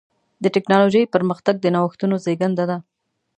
د ټکنالوجۍ پرمختګ د نوښتونو زېږنده دی.